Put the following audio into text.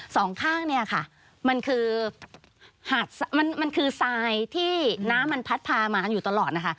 สองข้างนี่ค่ะมันคือสายที่น้ำมันพัดพามาอยู่ตลอดนะคะ